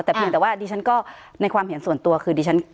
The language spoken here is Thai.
แต่เพียงแต่ว่าดิฉันก็ในความเห็นส่วนตัวคือดิฉัน